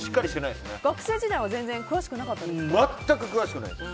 学生時代は全く詳しくないです。